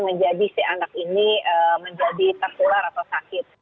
menjadi si anak ini menjadi tertular atau sakit